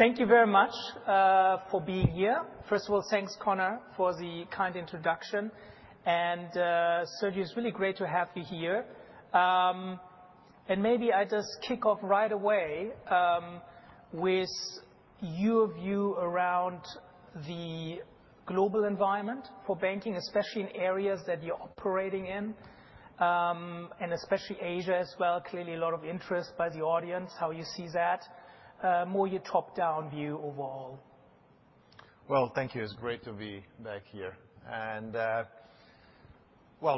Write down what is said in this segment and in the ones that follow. Thank you very much for being here. First of all, thanks, Connor, for the kind introduction. Sergio, it's really great to have you here. Maybe I just kick off right away with your view around the global environment for banking, especially in areas that you're operating in, and especially Asia as well. Clearly, a lot of interest by the audience, how you see that, more your top-down view overall. Thank you. It's great to be back here.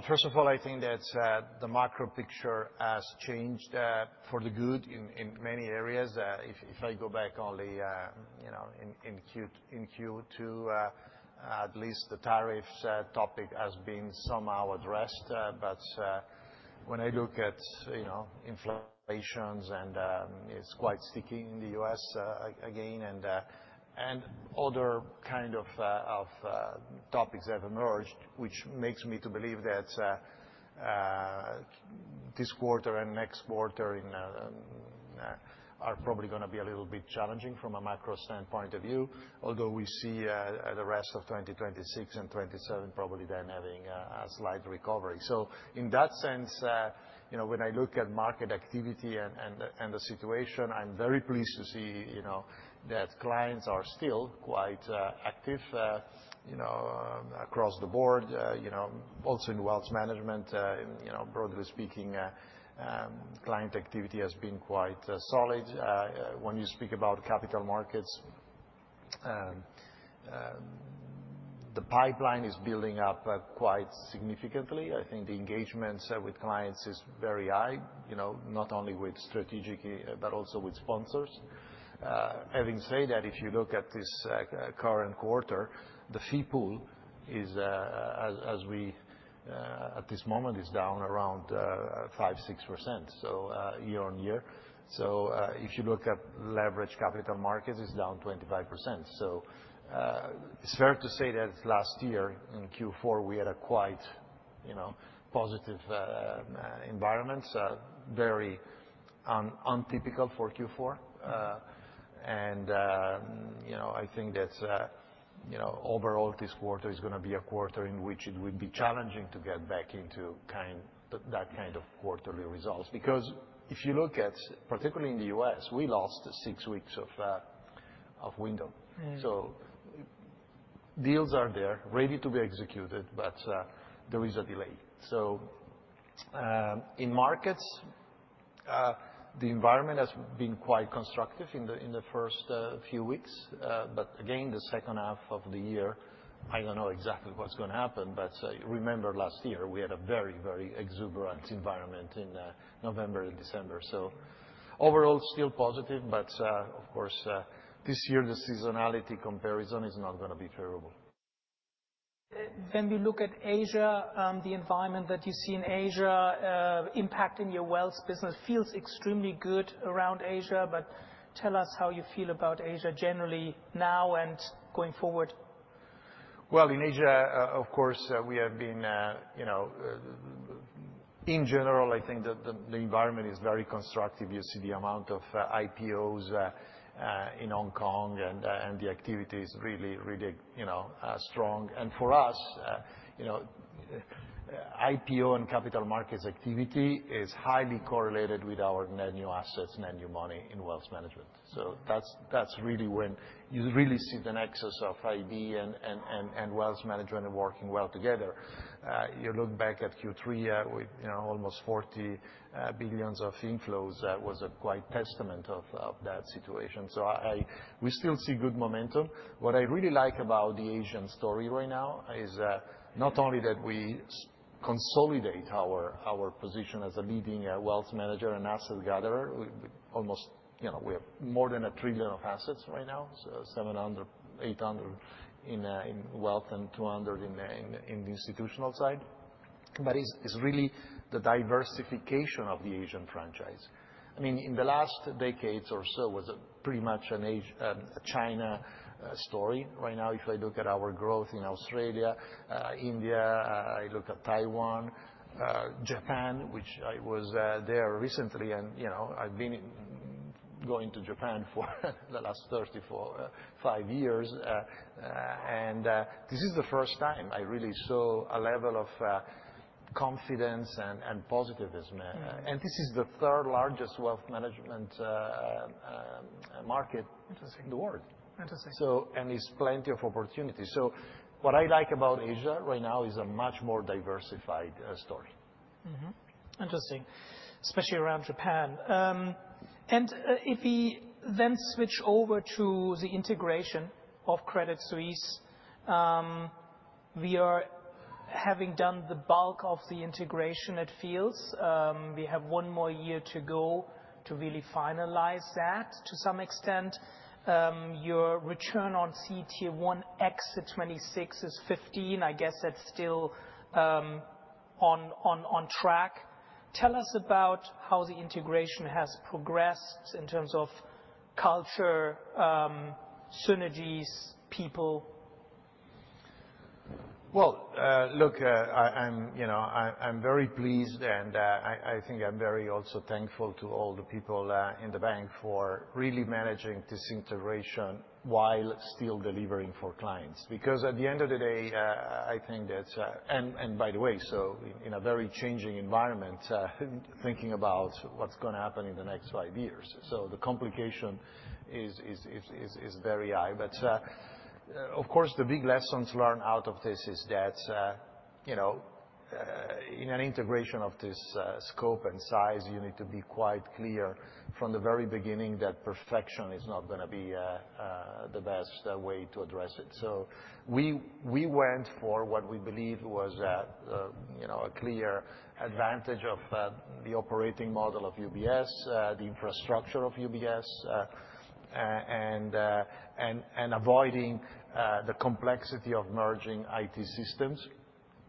First of all, I think that the macro picture has changed, for the good in many areas. If I go back only, you know, in Q2, at least the tariffs topic has been somehow addressed. When I look at, you know, inflations and, it's quite sticky in the U.S., again, and other kind of topics that have emerged, which makes me believe that this quarter and next quarter are probably gonna be a little bit challenging from a macro standpoint of view, although we see the rest of 2026 and 2027 probably then having a slight recovery. In that sense, you know, when I look at market activity and the situation, I'm very pleased to see, you know, that clients are still quite active, you know, across the board, you know, also in wealth management, you know, broadly speaking, client activity has been quite solid. When you speak about capital markets, the pipeline is building up quite significantly. I think the engagements with clients is very high, you know, not only strategically, but also with sponsors. Having said that, if you look at this current quarter, the fee pool is, as we, at this moment, is down around 5%-6% year-on-year. If you look at leverage capital markets, it's down 25%. It's fair to say that last year in Q4, we had a quite, you know, positive environment, very untypical for Q4. And, you know, I think that, you know, overall this quarter is gonna be a quarter in which it will be challenging to get back into that kind of quarterly results because if you look at, particularly in the U.S., we lost six weeks of window. So deals are there, ready to be executed, but there is a delay. In markets, the environment has been quite constructive in the first few weeks. Again, the second half of the year, I don't know exactly what's gonna happen, but remember last year we had a very, very exuberant environment in November and December. Overall, still positive, but of course, this year the seasonality comparison is not gonna be favorable. When we look at Asia, the environment that you see in Asia impacting your wealth business feels extremely good around Asia, but tell us how you feel about Asia generally now and going forward. In Asia, of course, we have been, you know, in general, I think that the environment is very constructive. You see the amount of IPOs in Hong Kong and the activity is really, really, you know, strong. For us, you know, IPO and capital markets activity is highly correlated with our net new assets, net new money in wealth management. That is really when you really see the Nexus of IB and wealth management working well together. You look back at Q3, with, you know, almost $40 billion of inflows, that was quite a testament of that situation. I, I, we still see good momentum. What I really like about the Asian story right now is, not only that we consolidate our position as a leading wealth manager and asset gatherer, we almost, you know, we have more than a trillion of assets right now, so $700 billion-$800 billion in wealth and $200 billion in the institutional side. It is really the diversification of the Asian franchise. I mean, in the last decades or so, it was pretty much an Asian, China, story. Right now, if I look at our growth in Australia, India, I look at Taiwan, Japan, which I was there recently, and, you know, I've been going to Japan for the last 34, 35 years. This is the first time I really saw a level of confidence and positivism. This is the third largest wealth management market. Interesting. In the world. Interesting. There are plenty of opportunities. What I like about Asia right now is a much more diversified story. Mm-hmm. Interesting, especially around Japan. If we then switch over to the integration of Credit Suisse, we are having done the bulk of the integration at fields. We have one more year to go to really finalize that to some extent. Your return on CET1 exit 2026 is 15. I guess that's still on track. Tell us about how the integration has progressed in terms of culture, synergies, people. I am, you know, I am very pleased and, I, I think I am very also thankful to all the people in the bank for really managing this integration while still delivering for clients because at the end of the day, I think that's, and, by the way, in a very changing environment, thinking about what's going to happen in the next five years. The complication is very high. Of course, the big lessons learned out of this is that, you know, in an integration of this scope and size, you need to be quite clear from the very beginning that perfection is not going to be the best way to address it. We went for what we believed was, you know, a clear advantage of the operating model of UBS, the infrastructure of UBS, and avoiding the complexity of merging IT systems,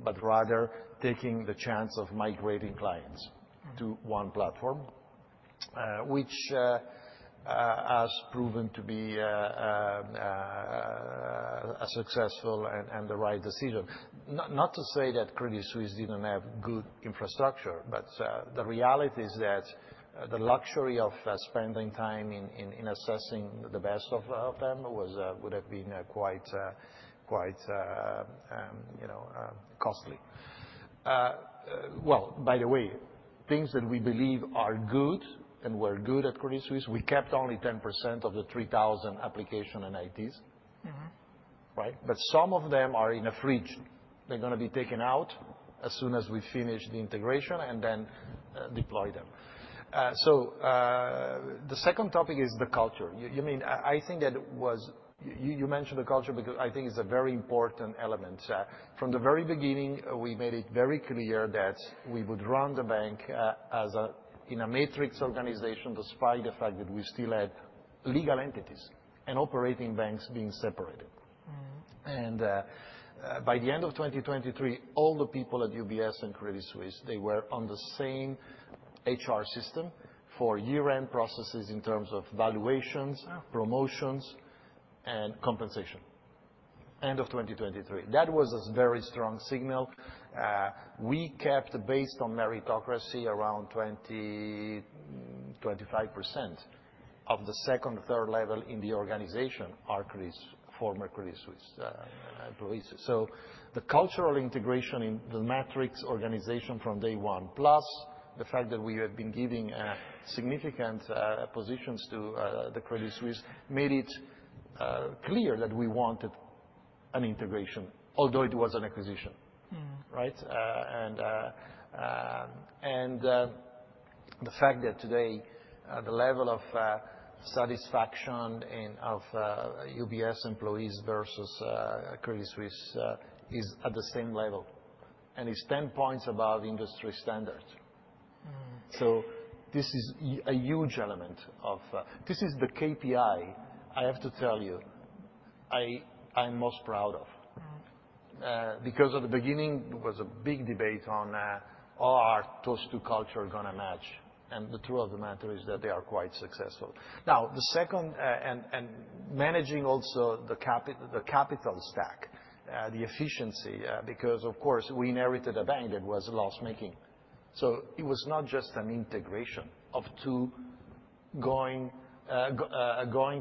but rather taking the chance of migrating clients to one platform, which has proven to be a successful and the right decision. Not to say that Credit Suisse didn't have good infrastructure, but the reality is that the luxury of spending time in assessing the best of them would have been quite, quite, you know, costly. By the way, things that we believe are good and were good at Credit Suisse, we kept only 10% of the 3,000 application and ITs. Right? Some of them are a fridge. They're gonna be taken out as soon as we finish the integration and then deploy them. The second topic is the culture. You, you mean, I think that was you, you mentioned the culture because I think it's a very important element. From the very beginning, we made it very clear that we would run the bank in a matrix organization despite the fact that we still had legal entities and operating banks being separated. Mm-hmm. By the end of 2023, all the people at UBS and Credit Suisse, they were on the same HR system for year-end processes in terms of valuations. Oh. Promotions, and compensation. End of 2023. That was a very strong signal. We kept, based on meritocracy, around 20-25% of the second, third level in the organization are former Credit Suisse employees. The cultural integration in the matrix organization from day one, plus the fact that we have been giving significant positions to the Credit Suisse, made it clear that we wanted an integration, although it was an acquisition. Right? The fact that today, the level of satisfaction of UBS employees versus Credit Suisse is at the same level and is 10 points above industry standards. This is a huge element of, this is the KPI, I have to tell you, I, I'm most proud of. Because at the beginning, there was a big debate on, are those two cultures gonna match. The truth of the matter is that they are quite successful. Now, the second, and managing also the capital stack, the efficiency, because, of course, we inherited a bank that was loss-making. It was not just an integration of two going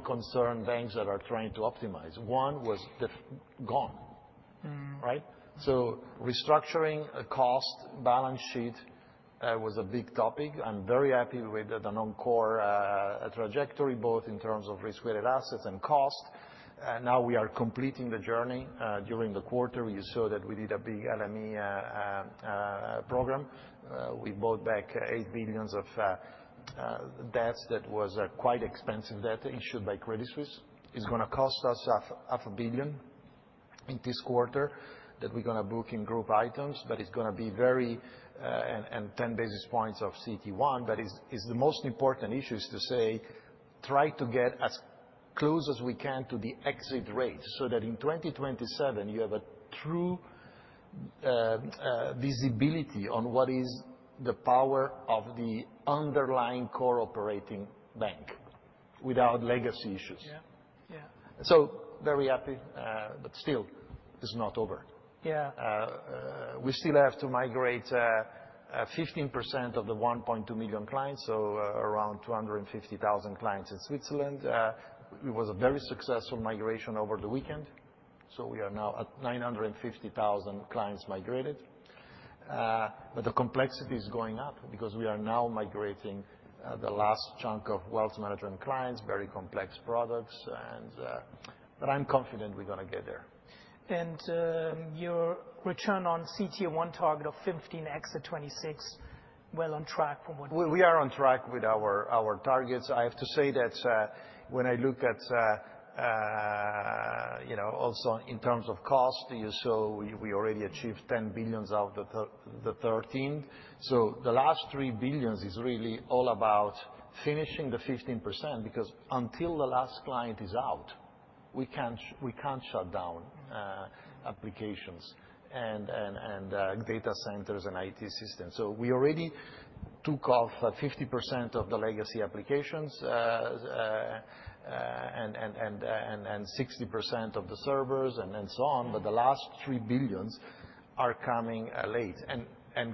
concern banks that are trying to optimize. One was def gone. Right? Restructuring a cost balance sheet was a big topic. I'm very happy with the non-core trajectory, both in terms of risk-weighted assets and cost. Now we are completing the journey during the quarter. You saw that we did a big LME program. We bought back $8 billion of debts. That was quite expensive debt issued by Credit Suisse. It's gonna cost us $500 million in this quarter that we're gonna book in group items, but it's gonna be very, and 10 basis points of CT1. It's the most important issue is to say, try to get as close as we can to the exit rate so that in 2027, you have a true visibility on what is the power of the underlying core operating bank without legacy issues. Yeah. Yeah. Very happy, but still, it's not over. Yeah. We still have to migrate 15% of the 1.2 million clients, so around 250,000 clients in Switzerland. It was a very successful migration over the weekend. We are now at 950,000 clients migrated. The complexity is going up because we are now migrating the last chunk of wealth management clients, very complex products. I'm confident we're gonna get there. Your return on CT1 target of 15 exit 2026, well on track from what? We are on track with our targets. I have to say that, when I look at, you know, also in terms of cost, you saw we already achieved $10 billion out of the $13 billion. The last $3 billion is really all about finishing the 15% because until the last client is out, we can't shut down applications and data centers and IT systems. We already took off 50% of the legacy applications, and 60% of the servers and so on. The last $3 billion are coming late.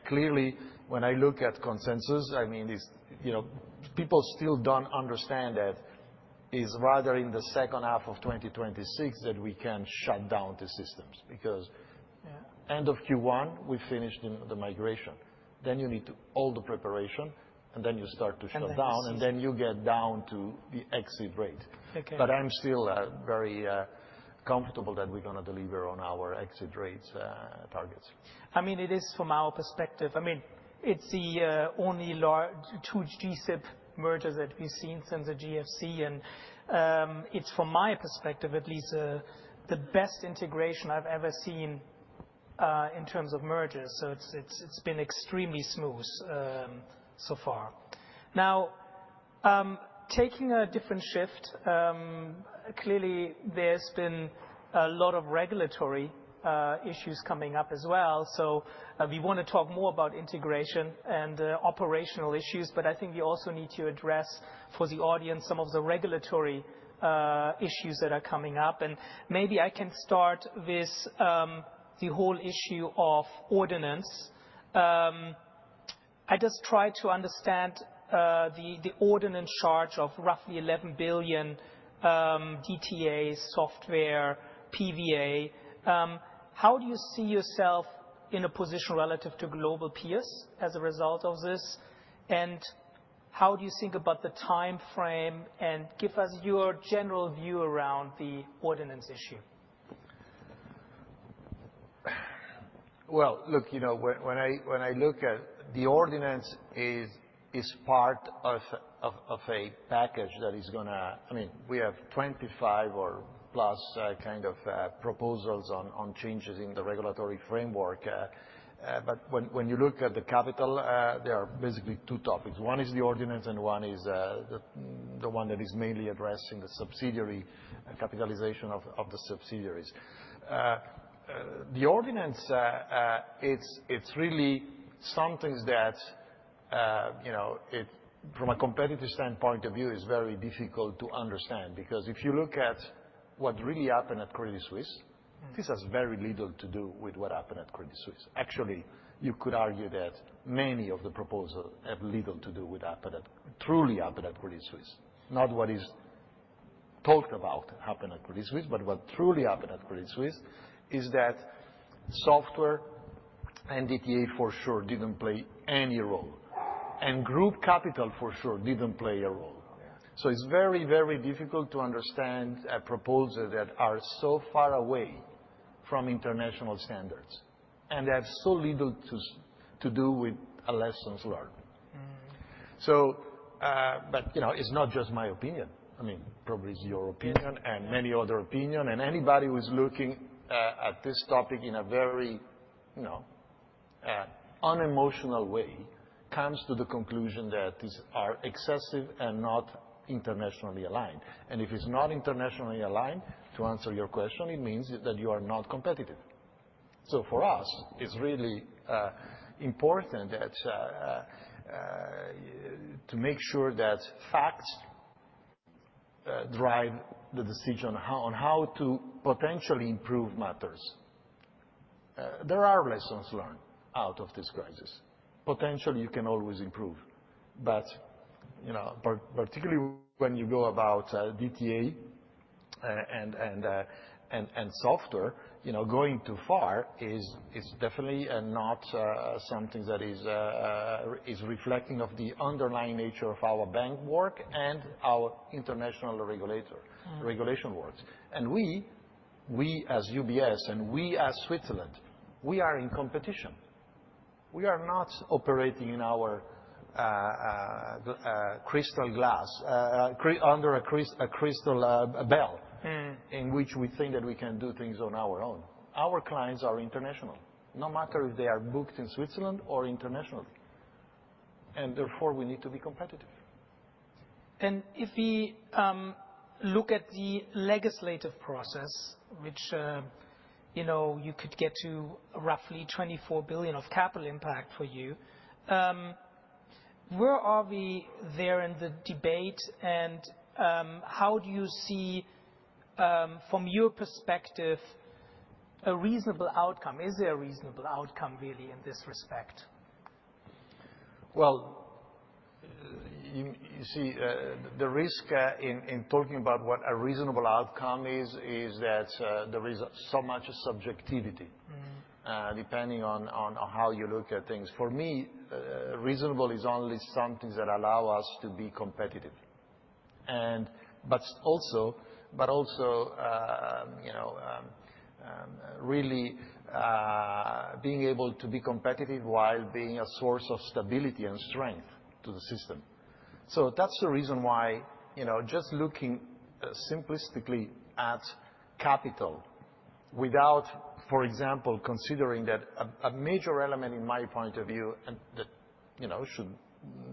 Clearly, when I look at consensus, I mean, it's, you know, people still don't understand that it's rather in the second half of 2026 that we can shut down the systems because End of Q1, we finished the migration. Then you need all the preparation, and then you start to shut down. You get down to the exit rate. Okay. I'm still, very, comfortable that we're gonna deliver on our exit rates, targets. I mean, it is from our perspective. I mean, it's the only large two G-SIB mergers that we've seen since the GFC. It's from my perspective, at least, the best integration I've ever seen, in terms of mergers. It's been extremely smooth, so far. Now, taking a different shift, clearly, there's been a lot of regulatory issues coming up as well. We want to talk more about integration and operational issues, but I think we also need to address, for the audience, some of the regulatory issues that are coming up. Maybe I can start with the whole issue of ordinance. I just tried to understand the ordinance charge of roughly $11 billion, DTA software, PVA. How do you see yourself in a position relative to global peers as a result of this? How do you think about the timeframe and give us your general view around the ordinance issue? You know, when I look at the ordinance, it is part of a package that is gonna, I mean, we have 25 or plus kind of proposals on changes in the regulatory framework. When you look at the capital, there are basically two topics. One is the ordinance, and one is the one that is mainly addressing the subsidiary, capitalization of the subsidiaries. The ordinance, it is really something that, you know, from a competitive standpoint of view, is very difficult to understand because if you look at what really happened at Credit Suisse, this has very little to do with what happened at Credit Suisse. Actually, you could argue that many of the proposals have little to do with what truly happened at Credit Suisse. Not what is talked about happened at Credit Suisse, but what truly happened at Credit Suisse is that software and DTA for sure did not play any role. And group capital for sure did not play a role. It's very, very difficult to understand proposals that are so far away from international standards and have so little to do with lessons learned. You know, it's not just my opinion. I mean, probably it's your opinion and many other opinions. Anybody who's looking at this topic in a very, you know, unemotional way comes to the conclusion that these are excessive and not internationally aligned. If it's not internationally aligned, to answer your question, it means that you are not competitive. For us, it's really important to make sure that facts drive the decision on how to potentially improve matters. There are lessons learned out of this crisis. Potentially, you can always improve. You know, particularly when you go about DTA and software, going too far is definitely not something that is reflecting of the underlying nature of our bank work and our international regulator regulation work. We as UBS and we as Switzerland, we are in competition. We are not operating in our crystal glass, under a crystal bell in which we think that we can do things on our own. Our clients are international, no matter if they are booked in Switzerland or internationally. Therefore, we need to be competitive. If we look at the legislative process, which, you know, you could get to roughly $24 billion of capital impact for you, where are we there in the debate? How do you see, from your perspective, a reasonable outcome? Is there a reasonable outcome really in this respect? You see, the risk in talking about what a reasonable outcome is, is that there is so much subjectivity depending on how you look at things. For me, reasonable is only something that allows us to be competitive, but also, you know, really being able to be competitive while being a source of stability and strength to the system. That is the reason why, you know, just looking simplistically at capital without, for example, considering that a major element in my point of view and that, you know, should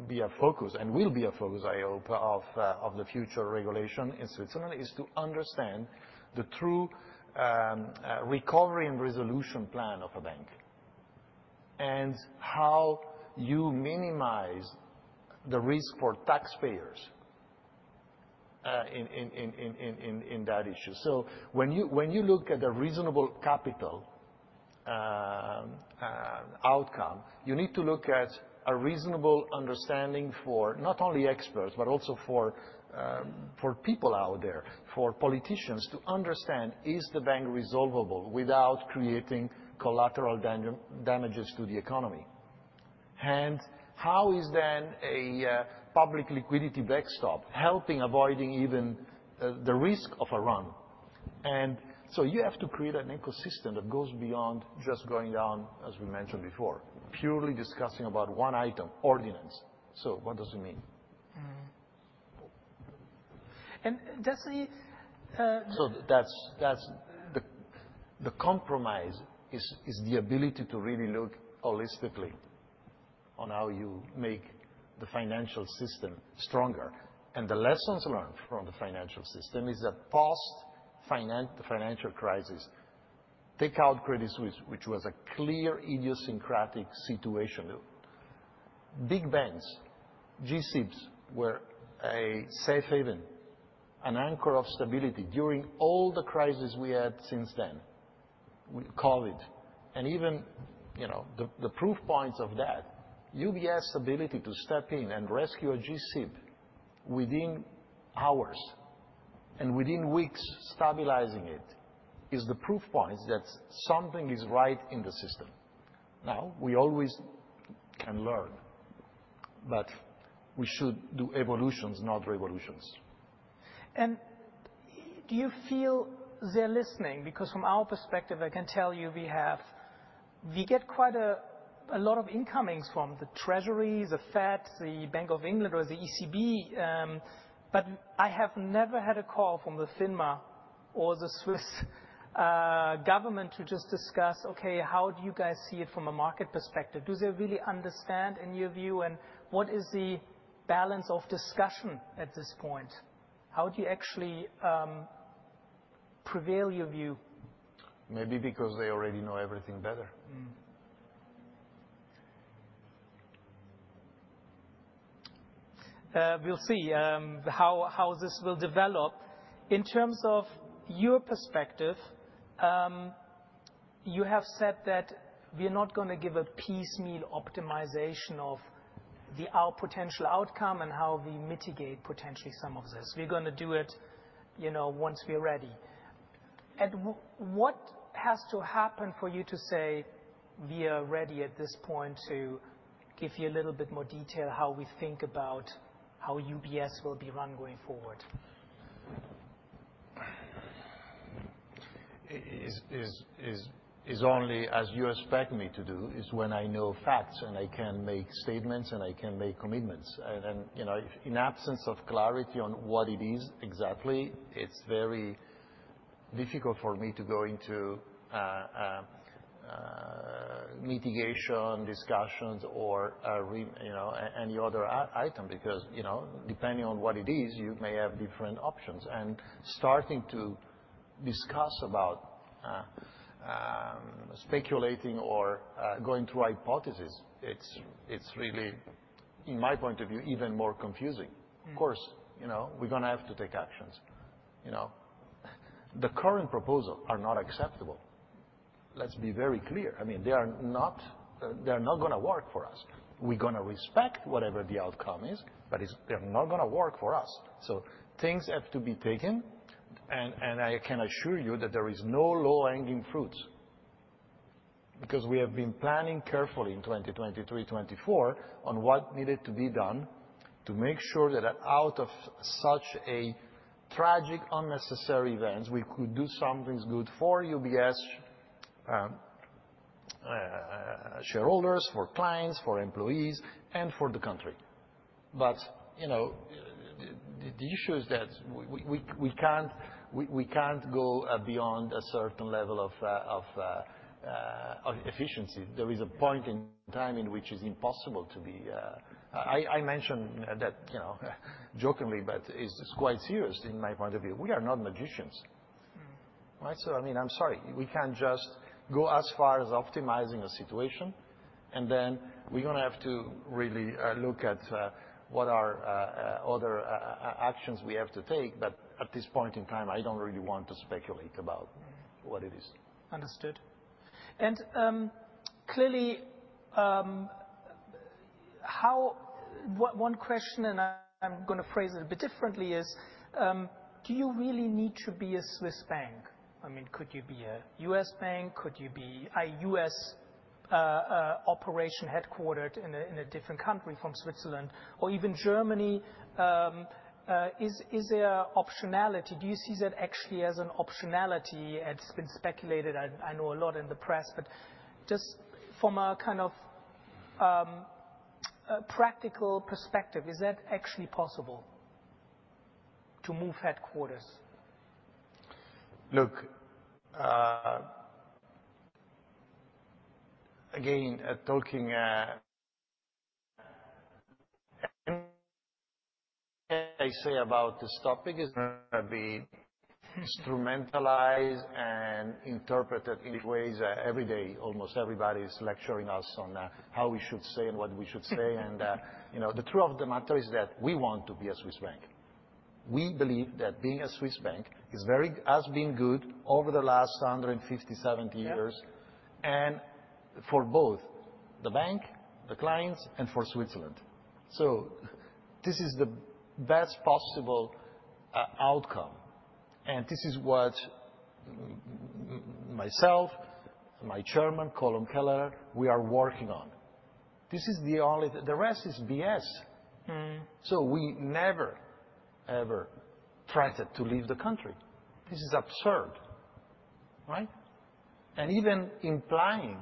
be a focus and will be a focus, I hope, of the future regulation in Switzerland is to understand the true recovery and resolution plan of a bank and how you minimize the risk for taxpayers in that issue. When you look at a reasonable capital outcome, you need to look at a reasonable understanding for not only experts but also for people out there, for politicians to understand, is the bank resolvable without creating collateral damages to the economy? How is then a public liquidity backstop helping avoiding even the risk of a run? You have to create an ecosystem that goes beyond just going down, as we mentioned before, purely discussing about one item, ordinance. What does it mean? That's the compromise, the ability to really look holistically on how you make the financial system stronger. The lessons learned from the financial system is that post-financial crisis, take out Credit Suisse, which was a clear idiosyncratic situation. Big banks, G-SIBs were a safe haven, an anchor of stability during all the crises we had since then, COVID. Even, you know, the proof points of that, UBS' ability to step in and rescue a G-SIB within hours and within weeks stabilizing it, is the proof points that something is right in the system. We always can learn, but we should do evolutions, not revolutions. Do you feel they're listening? Because from our perspective, I can tell you we get quite a lot of incomings from the Treasury, the Fed, the Bank of England, or the ECB. I have never had a call from FINMA or the Swiss government to just discuss, okay, how do you guys see it from a market perspective? Do they really understand, in your view? What is the balance of discussion at this point? How do you actually prevail your view? Maybe because they already know everything better. We'll see how this will develop. In terms of your perspective, you have said that we're not gonna give a piecemeal optimization of our potential outcome and how we mitigate potentially some of this. We're gonna do it, you know, once we're ready. What has to happen for you to say we are ready at this point to give you a little bit more detail how we think about how UBS will be run going forward? Is only as you expect me to do is when I know facts and I can make statements and I can make commitments. And, you know, if in absence of clarity on what it is exactly, it's very difficult for me to go into mitigation discussions or, you know, any other item because, you know, depending on what it is, you may have different options. Starting to discuss about speculating or going through hypotheses, it's really, in my point of view, even more confusing. Of course, you know, we're gonna have to take actions. You know, the current proposals are not acceptable. Let's be very clear. I mean, they are not, they're not gonna work for us. We're gonna respect whatever the outcome is, but it's they're not gonna work for us. Things have to be taken. I can assure you that there is no low-hanging fruits because we have been planning carefully in 2023- 2024 on what needed to be done to make sure that out of such a tragic, unnecessary event, we could do something good for UBS, shareholders, for clients, for employees, and for the country. You know, the issue is that we can't go beyond a certain level of efficiency. There is a point in time in which it's impossible to be, I mentioned that, you know, jokingly, but it's quite serious in my point of view. We are not magicians. Right? I mean, I'm sorry. We can't just go as far as optimizing a situation, and then we're gonna have to really look at what are other actions we have to take. At this point in time, I don't really want to speculate about what it is. Understood. Clearly, one question, and I'm gonna phrase it a bit differently, is, do you really need to be a Swiss bank? I mean, could you be a U.S. bank? Could you be a U.S. operation headquartered in a different country from Switzerland or even Germany? Is there optionality? Do you see that actually as an optionality? It's been speculated. I know a lot in the press. Just from a kind of practical perspective, is that actually possible to move headquarters? Look, again, talking, anything I say about this topic is gonna be instrumentalized and interpreted in ways, every day. Almost everybody is lecturing us on how we should say and what we should say. You know, the truth of the matter is that we want to be a Swiss bank. We believe that being a Swiss bank is very, has been good over the last 157 years. For both the bank, the clients, and for Switzerland, this is the best possible outcome. This is what myself, my chairman, Colm Kelleher, we are working on. This is the only, the rest is BS. We never, ever threatened to leave the country. This is absurd, right? Even implying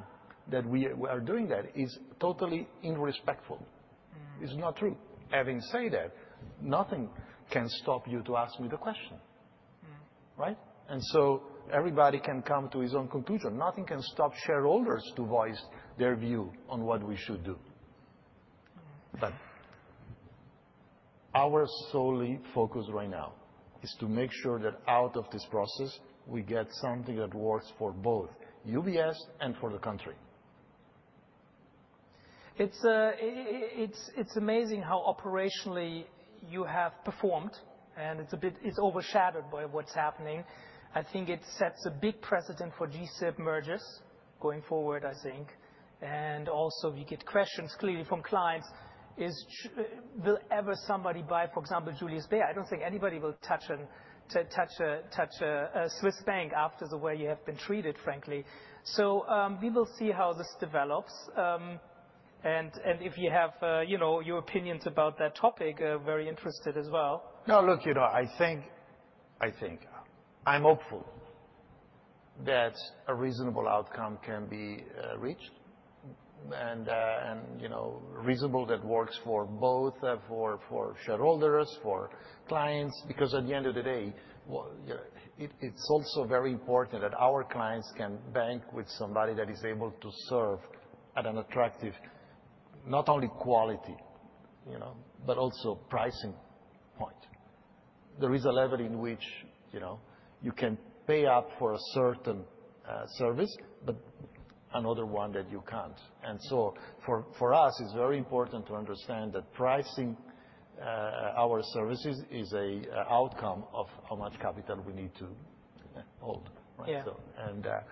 that we are doing that is totally irrespectful. It's not true. Having said that, nothing can stop you to ask me the question, right? Everybody can come to his own conclusion. Nothing can stop shareholders to voice their view on what we should do. Our solely focus right now is to make sure that out of this process, we get something that works for both UBS and for the country. It's amazing how operationally you have performed, and it's a bit overshadowed by what's happening. I think it sets a big precedent for G-SIB mergers going forward, I think. Also, we get questions clearly from clients. Will ever somebody buy, for example, Julius Baer? I don't think anybody will touch a Swiss bank after the way you have been treated, frankly. We will see how this develops, and if you have, you know, your opinions about that topic, very interested as well. No, look, you know, I think I'm hopeful that a reasonable outcome can be reached and, you know, reasonable that works for both, for shareholders, for clients. Because at the end of the day, you know, it's also very important that our clients can bank with somebody that is able to serve at an attractive not only quality, you know, but also pricing point. There is a level in which, you know, you can pay up for a certain service, but another one that you can't. For us, it's very important to understand that pricing our services is an outcome of how much capital we need to hold. Yeah. Right?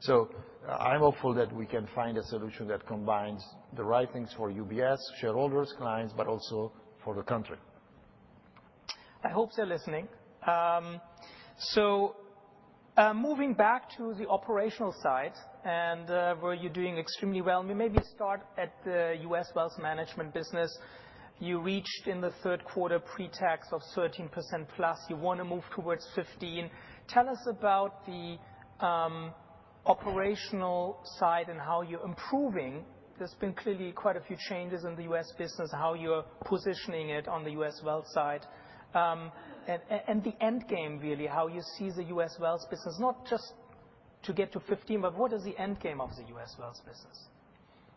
So I'm hopeful that we can find a solution that combines the right things for UBS, shareholders, clients, but also for the country. I hope they're listening. Moving back to the operational side, where you're doing extremely well. We maybe start at the U.S. Wealth Management business. You reached in the third quarter pre-tax of 13% plus. You wanna move towards 15%. Tell us about the operational side and how you're improving. There's been clearly quite a few changes in the U.S. business, how you're positioning it on the U.S. Wealth side, and the end game, really, how you see the U.S. Wealth business, not just to get to 15%, but what is the end game of the U.S. Wealth business?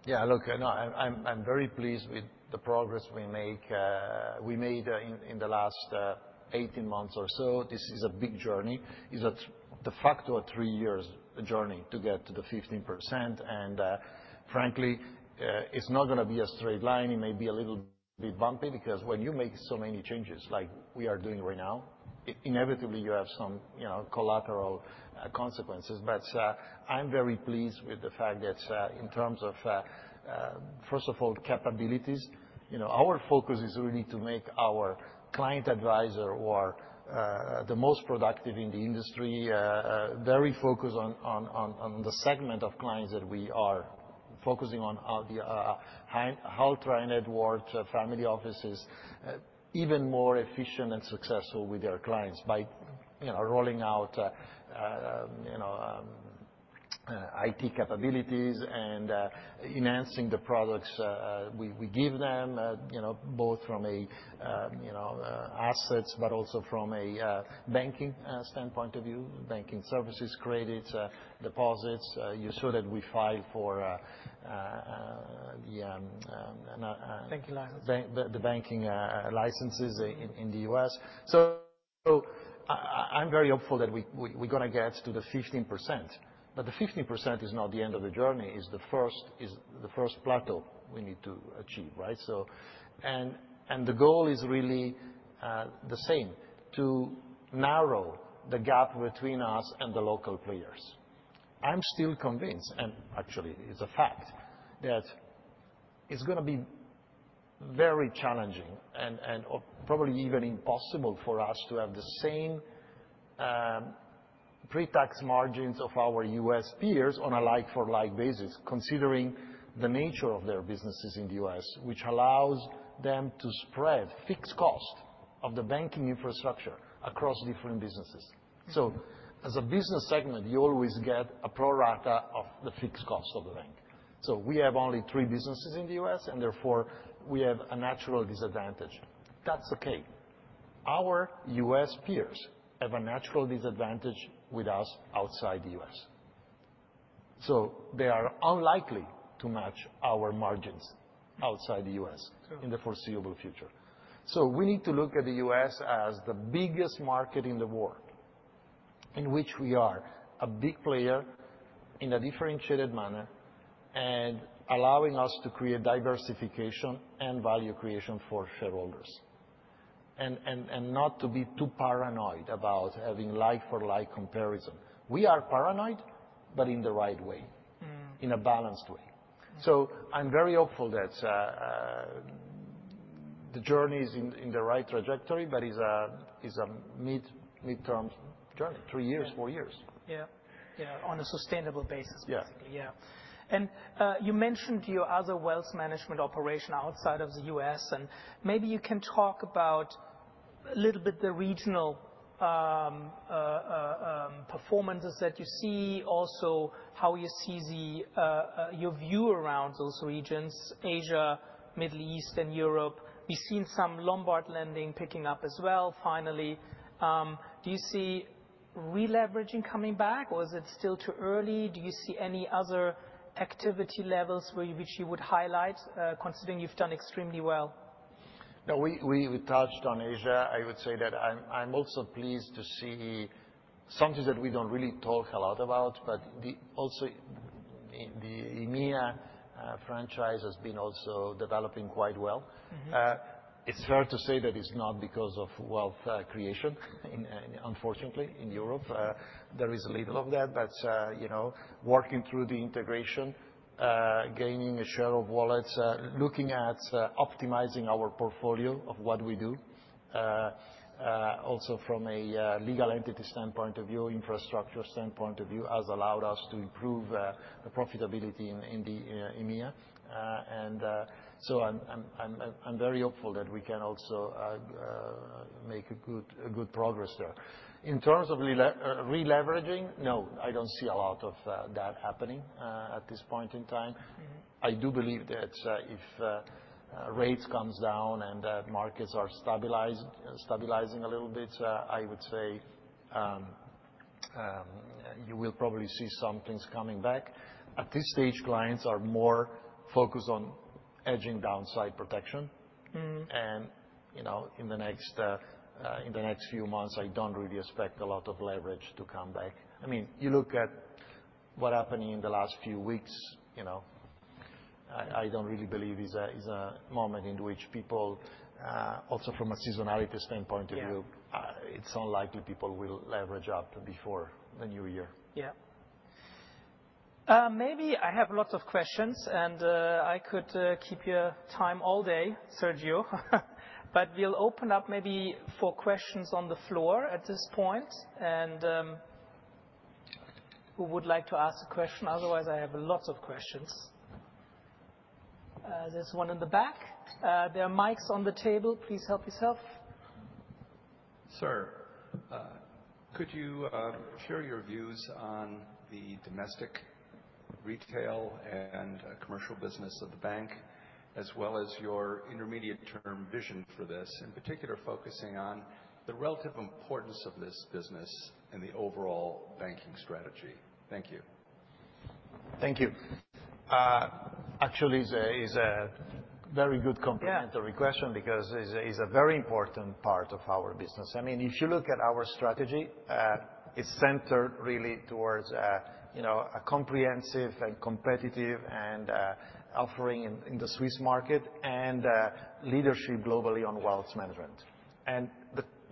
Yeah. Look, you know, I'm very pleased with the progress we make, we made, in the last 18 months or so. This is a big journey. It's de facto a three-year journey to get to the 15%. Frankly, it's not gonna be a straight line. It may be a little bit bumpy because when you make so many changes like we are doing right now, inevitably, you have some, you know, collateral, consequences. I'm very pleased with the fact that, in terms of, first of all, capabilities, you know, our focus is really to make our client advisor, or the most productive in the industry, very focused on the segment of clients that we are focusing on, the Han Haltrer Edwards, family offices, even more efficient and successful with their clients by, you know, rolling out, you know, IT capabilities and enhancing the products we give them, you know, both from a, you know, assets but also from a banking standpoint of view, banking services, credits, deposits, you show that we file for, the, Banking license. Banking licenses in the U.S. I'm very hopeful that we are going to get to the 15%. The 15% is not the end of the journey. It is the first plateau we need to achieve. The goal is really the same, to narrow the gap between us and the local players. I'm still convinced, and actually, it's a fact that it's going to be very challenging and probably even impossible for us to have the same pre-tax margins of our U.S. peers on a like-for-like basis, considering the nature of their businesses in the U.S., which allows them to spread fixed cost of the banking infrastructure across different businesses. As a business segment, you always get a pro-rata of the fixed cost of the bank. We have only three businesses in the U.S., and therefore, we have a natural disadvantage. That's okay. Our U.S. peers have a natural disadvantage with us outside the U.S. They are unlikely to match our margins outside the U.S. In the foreseeable future. We need to look at the U.S. as the biggest market in the world in which we are a big player in a differentiated manner and allowing us to create diversification and value creation for shareholders. And not to be too paranoid about having like-for-like comparison. We are paranoid, but in the right way. In a balanced way. I am very hopeful that the journey is in the right trajectory, but it's a midterm journey, three years, four years. Yeah. Yeah. On a sustainable basis, basically. Yeah. Yeah. You mentioned your other wealth management operation outside of the U.S. Maybe you can talk a little bit about the regional performances that you see, also how you see your view around those regions, Asia, Middle East, and Europe. We've seen some Lombard lending picking up as well finally. Do you see re-leveraging coming back, or is it still too early? Do you see any other activity levels which you would highlight, considering you've done extremely well? No, we touched on Asia. I would say that I'm also pleased to see something that we don't really talk a lot about, but also the EMEA franchise has been also developing quite well. Mm-hmm. It's fair to say that it's not because of wealth creation in, unfortunately, in Europe. There is a little of that. But, you know, working through the integration, gaining a share of wallet, looking at optimizing our portfolio of what we do, also from a legal entity standpoint of view, infrastructure standpoint of view, has allowed us to improve the profitability in the EMEA. I'm very hopeful that we can also make good progress there. In terms of re-leveraging, no, I don't see a lot of that happening at this point in time. I do believe that if rates come down and markets are stabilizing a little bit, I would say you will probably see some things coming back. At this stage, clients are more focused on hedging downside protection. You know, in the next few months, I do not really expect a lot of leverage to come back. I mean, you look at what happened in the last few weeks, you know, I do not really believe it is a moment in which people, also from a seasonality standpoint of view. Yeah. It's unlikely people will leverage up before the New Year. Yeah. Maybe I have lots of questions, and I could keep your time all day, Sergio. We'll open up maybe for questions on the floor at this point. Who would like to ask a question? Otherwise, I have lots of questions. There's one in the back. There are mics on the table. Please help yourself. Sir, could you share your views on the domestic retail and commercial business of the bank, as well as your intermediate-term vision for this, in particular focusing on the relative importance of this business and the overall banking strategy? Thank you. Thank you. Actually, it's a very good complementary question because it's a very important part of our business. I mean, if you look at our strategy, it's centered really towards, you know, a comprehensive and competitive offering in the Swiss market and leadership globally on wealth management.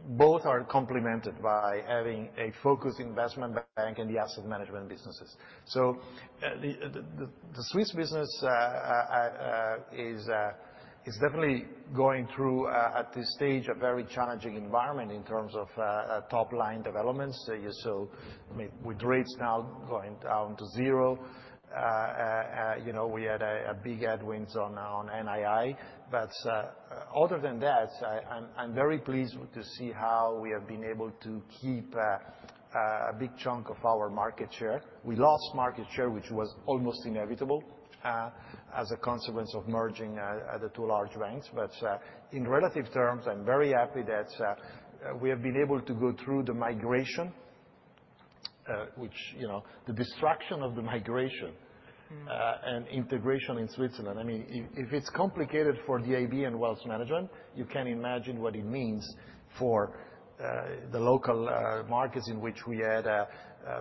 Both are complemented by having a focused investment bank and the asset management businesses. The Swiss business is definitely going through, at this stage, a very challenging environment in terms of top-line developments. You saw with rates now going down to zero, you know, we had a big headwind on NII. Other than that, I'm very pleased to see how we have been able to keep a big chunk of our market share. We lost market share, which was almost inevitable, as a consequence of merging the two large banks. In relative terms, I'm very happy that we have been able to go through the migration, which, you know, the destruction of the migration and integration in Switzerland. I mean, if it's complicated for the AB and Wealth Management, you can imagine what it means for the local markets in which we had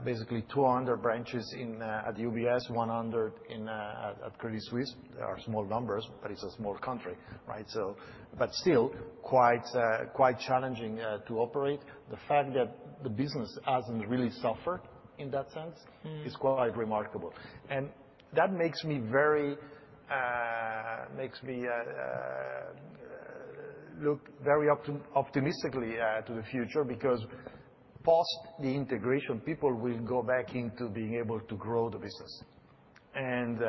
basically 200 branches at UBS, 100 at Credit Suisse. They are small numbers, but it's a small country. Right? Still, quite, quite challenging to operate. The fact that the business hasn't really suffered in that sense is quite remarkable. That makes me very, makes me look very optimistically to the future because post the integration, people will go back into being able to grow the business and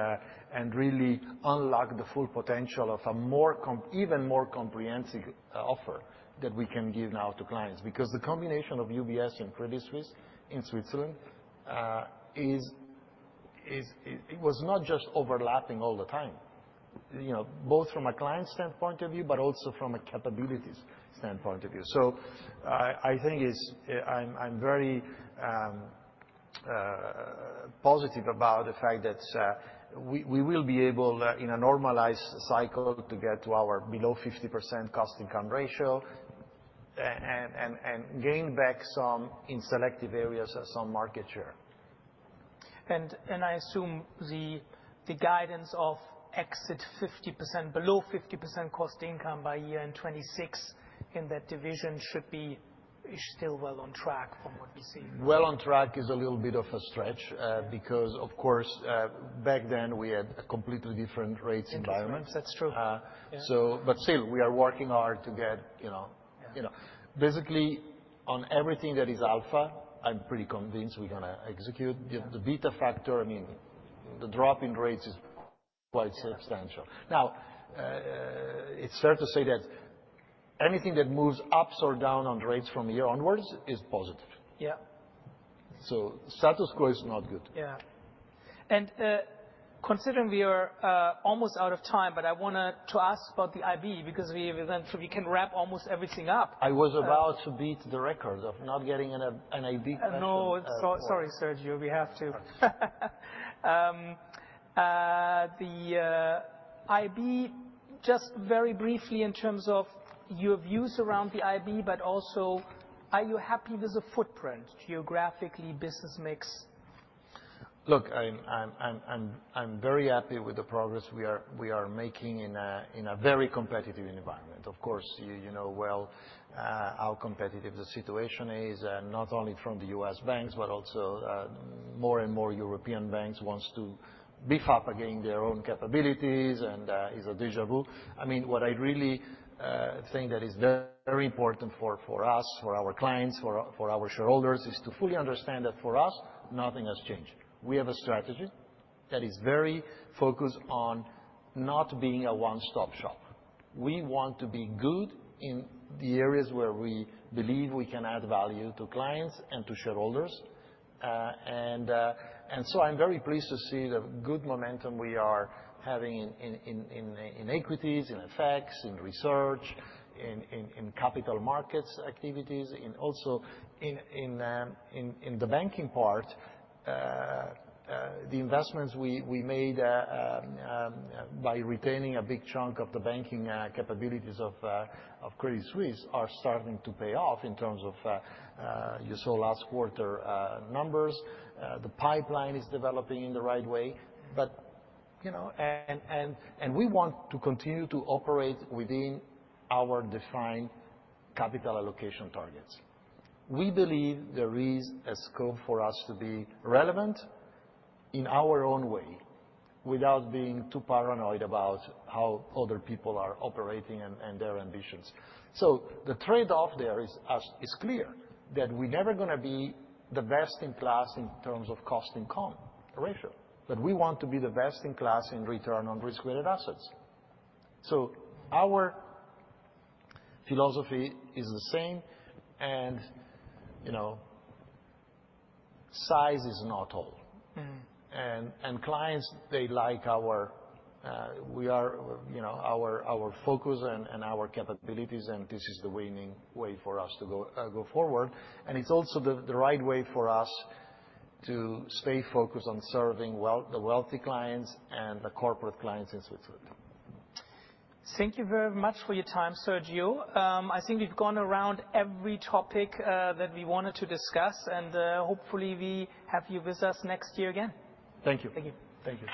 really unlock the full potential of a more, even more comprehensive offer that we can give now to clients. The combination of UBS and Credit Suisse in Switzerland was not just overlapping all the time, you know, both from a client standpoint of view but also from a capabilities standpoint of view. I think I'm very positive about the fact that we will be able, in a normalized cycle, to get to our below 50% cost-income ratio and gain back some, in selective areas, some market share. I assume the guidance of exit 50% below 50% cost-income by year in 2026 in that division should be still well on track from what we see. On track is a little bit of a stretch, because, of course, back then, we had a completely different rates environment. Experience. That's true. Still, we are working hard to get, you know, you know, basically, on everything that is ALFA, I'm pretty convinced we're gonna execute. The beta factor, I mean, the drop in rates is quite substantial. Now, it's fair to say that anything that moves ups or down on rates from here onwards is positive. Yeah. Status quo is not good. Yeah. Considering we are almost out of time, but I wanna ask about the IB because we then we can wrap almost everything up. I was about to beat the record of not getting an A an IB question. No. Sorry, Sergio. We have to. The IB, just very briefly in terms of your views around the IB, but also, are you happy with the footprint, geographically, business mix? Look, I'm very happy with the progress we are making in a very competitive environment. Of course, you know well how competitive the situation is, not only from the U.S. banks but also, more and more, European banks want to beef up again their own capabilities, and it is a déjà vu. I mean, what I really think that is very important for us, for our clients, for our shareholders is to fully understand that for us, nothing has changed. We have a strategy that is very focused on not being a one-stop shop. We want to be good in the areas where we believe we can add value to clients and to shareholders. I'm very pleased to see the good momentum we are having in equities, in FX, in research, in capital markets activities, also in the banking part. The investments we made by retaining a big chunk of the banking capabilities of Credit Suisse are starting to pay off in terms of, you saw last quarter, numbers. The pipeline is developing in the right way. You know, we want to continue to operate within our defined capital allocation targets. We believe there is a scope for us to be relevant in our own way without being too paranoid about how other people are operating and their ambitions. The trade-off there is as is clear that we're never gonna be the best in class in terms of cost-income ratio. We want to be the best in class in return on risk-weighted assets. Our philosophy is the same. You know, size is not all. Clients, they like our, you know, our focus and our capabilities, and this is the winning way for us to go forward. It is also the right way for us to stay focused on serving the wealthy clients and the corporate clients in Switzerland. Thank you very much for your time, Sergio. I think we've gone around every topic that we wanted to discuss. Hopefully, we have you with us next year again. Thank you. Thank you. Thank you.